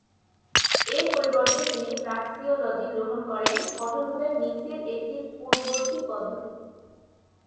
এর পরিবর্তে তিনি "প্রাক্সিওলজি" গ্রহণ করেন, কঠোরভাবে "মিসের" একটি "পূর্ববর্তী" পদ্ধতি।